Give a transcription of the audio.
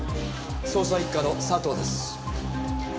捜査一課の佐藤です。